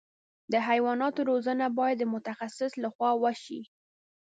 د حیواناتو روزنه باید د متخصص له خوا وشي.